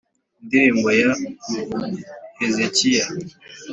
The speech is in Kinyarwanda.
Indirimbo ya Hezekiya